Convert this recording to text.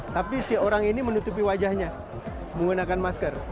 tapi si orang ini menutupi wajahnya menggunakan masker